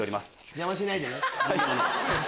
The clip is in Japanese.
邪魔しないでね授業の。